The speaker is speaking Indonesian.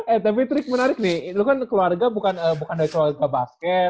eh tapi trik menarik nih itu kan keluarga bukan dari keluarga basket